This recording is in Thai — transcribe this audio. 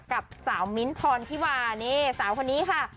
กับสาวมิ้นท์พรธิวานี่สาวคนนี้ค่ะ